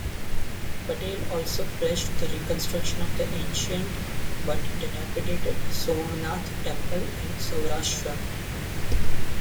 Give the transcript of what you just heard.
Patel also pledged the reconstruction of the ancient but dilapidated Somnath Temple in Saurashtra.